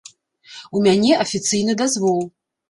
У мяне афіцыйны дазвол.